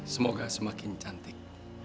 semoga semakin cantik